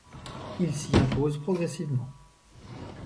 Il s'y impose progressivement.